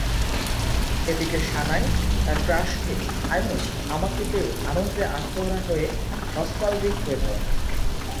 এদিকে সানাই তার ক্রাশকে আই মিন আমাকে পেয়ে আনন্দে আত্মহারা হয়ে নস্টালজিক হয়ে পড়ে।